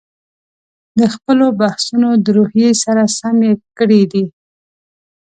د خپلو بحثونو د روحیې سره سم یې کړي دي.